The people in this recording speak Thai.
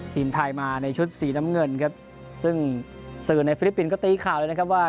ทีมไทยมาในชุดสีน้ำเงินครับซึ่งสื่อในฟิลิปปินส์ก็ตีข่าวเลยนะครับว่า